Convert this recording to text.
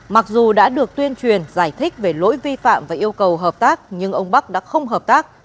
mặc dù đã được tuyên truyền giải thích về lỗi vi phạm và yêu cầu hợp tác nhưng ông bắc đã không hợp tác